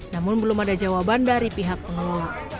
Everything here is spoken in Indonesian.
namun belum ada jawaban dari pihak pengelola